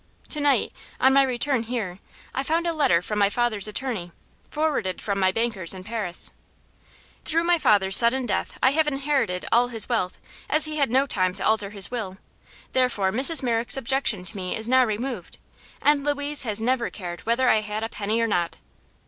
To night, on my return here, I found a letter from my father's attorney, forwarded from my bankers in Paris. Through my father's sudden death I have inherited all his wealth, as he had no time to alter his will. Therefore Mrs. Merrick's objection to me is now removed, and Louise has never cared whether I had a penny or not."